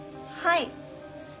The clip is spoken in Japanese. はい。